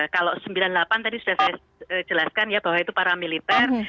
kalau sembilan puluh delapan tadi sudah saya jelaskan ya bahwa itu paramiliter